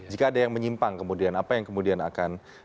jika ada yang menyimpang kemudian apa yang kemudian akan